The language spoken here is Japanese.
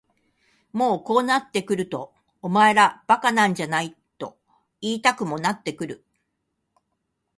もうこうなってくるとお前ら馬鹿なんじゃないと言いたくもなってくる。